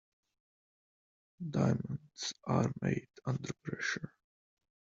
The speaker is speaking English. Diamonds are made under pressure.